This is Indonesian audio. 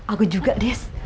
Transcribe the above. aku juga des